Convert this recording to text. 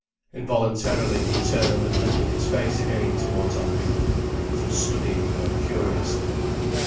Involuntarily he turned and lifted his face again towards Alvina, as if studying her curiously.